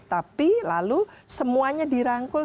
tapi lalu semuanya dirangkul